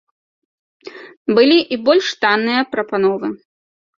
Былі і больш танныя прапановы.